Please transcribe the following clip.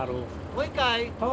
もう一回！